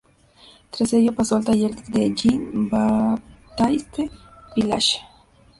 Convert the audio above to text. Tras ello pasó al taller de Jean-Baptiste Pigalle.